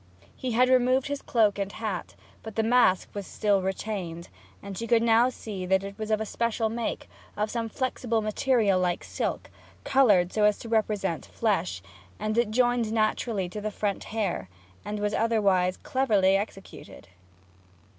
He had removed his cloak and hat, but the mask was still retained; and she could now see that it was of special make, of some flexible material like silk, coloured so as to represent flesh; it joined naturally to the front hair, and was otherwise cleverly executed.